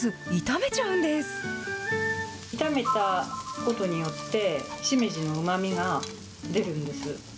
炒めたことによって、しめじのうまみが出るんです。